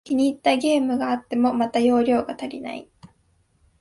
気に入ったゲームがあっても、また容量が足りない